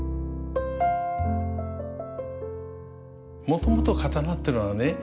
もともと刀ってのはね